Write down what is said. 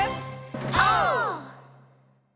オー！